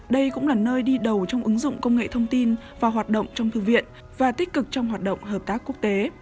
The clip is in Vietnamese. đây cũng là nơi đi đầu trong ứng dụng công nghệ thông tin và hoạt động trong thư viện và tích cực trong hoạt động hợp tác quốc tế